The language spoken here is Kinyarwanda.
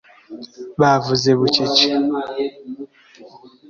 Bavuze bucece